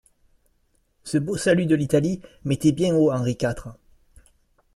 Ce beau salut de l'Italie mettait bien haut Henri quatre.